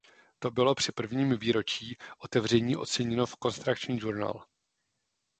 To bylo při prvním výročí otevření oceněno v "Construction Journal".